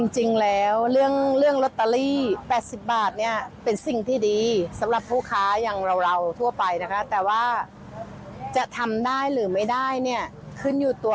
จริงแล้วเรื่องลอตเตอรี่๘๐บาทเนี่ยเป็นสิ่งที่ดีสำหรับผู้ค้าอย่างเราทั่วไปนะคะแต่ว่าจะทำได้หรือไม่ได้เนี่ยขึ้นอยู่ตัว